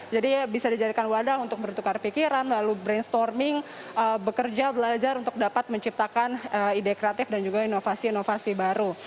jadi bisa dijadikan wadah untuk bertukar pikiran lalu brainstorming bekerja belajar untuk dapat menciptakan ide kreatif dan juga inovasi inovasi baru